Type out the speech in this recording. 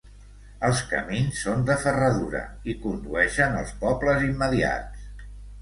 Els camins són de ferradura i condueixen als pobles immediats.